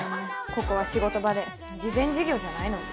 ここは仕事場で慈善事業じゃないのに。